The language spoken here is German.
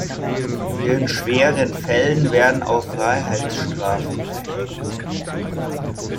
In schweren Fällen werden auch Freiheitsstrafen verhängt.